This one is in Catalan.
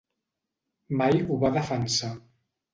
Mai ho va defensar.